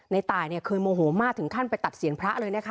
ตายเนี่ยเคยโมโหมากถึงขั้นไปตัดเสียงพระเลยนะคะ